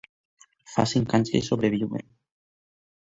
Fa cinc anys que hi sobreviuen.